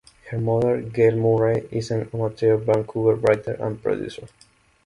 Her mother, Gail Murray, is an amateur Vancouver writer and producer.